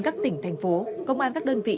các tỉnh thành phố công an các đơn vị